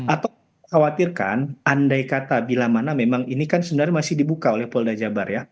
atau khawatirkan andai kata bila mana memang ini kan sebenarnya masih dibuka oleh polda jabar ya